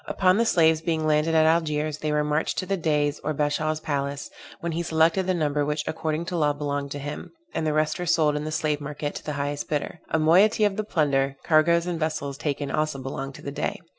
Upon the slaves being landed at Algiers they were marched to the Dey's or Bashaw's palace, when he selected the number which according to law belonged to him; and the rest were sold in the slave market to the highest bidder. A moiety of the plunder, cargoes and vessels taken also belonged to the Dey.